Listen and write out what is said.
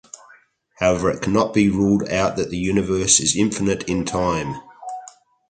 However it can not be ruled out that the Universe is infinite in time.